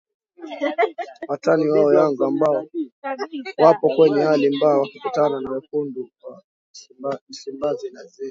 watani wao Yanga ambao wapo kwenye hali mbaya wakikutana na Wekundu wa Msimbazi lazima